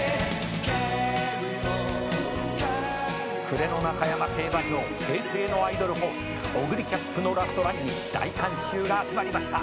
「暮れの中山競馬場」「平成のアイドルホースオグリキャップのラストランに大観衆が集まりました」